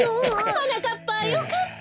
はなかっぱよかった！